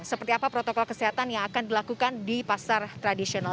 seperti apa protokol kesehatan yang akan dilakukan di pasar tradisional